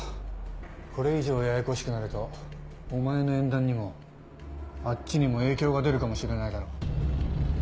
これ以上ややこしくなるとお前の縁談にもあっちにも影響が出るかもしれないだろう。